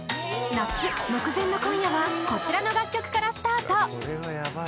夏目前の今夜はこちらの楽曲からスタート